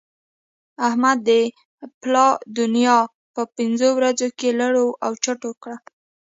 احمد د پلا دونيا په پنځو ورځو کې لړو او چټو کړه.